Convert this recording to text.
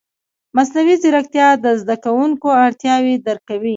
مصنوعي ځیرکتیا د زده کوونکو اړتیاوې درک کوي.